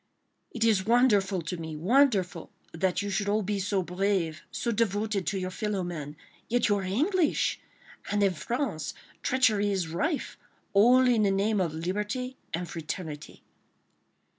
"It is wonderful to me, wonderful!—That you should all be so brave, so devoted to your fellow men—yet you are English!—and in France treachery is rife—all in the name of liberty and fraternity."